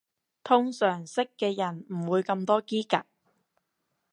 通常識嘅人唔會咁多嘰趷